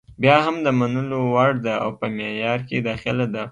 بیا هم د منلو وړ ده او په معیار کې داخله ده.